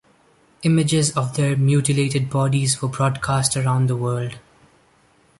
Images of their mutilated bodies were broadcast around the world.